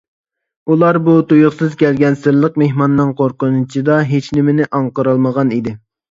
ئۇلار بۇ تۇيۇقسىز كەلگەن سىرلىق مېھماننىڭ قورقۇنچىدا ھېچنېمىنى ئاڭقىرالمىغان ئىدى.